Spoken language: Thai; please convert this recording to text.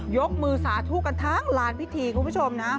ยกมือสาธุกันทั้งลานพิธีคุณผู้ชมนะ